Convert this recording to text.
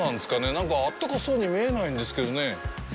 なんか、温かそうに見えないんですけどね。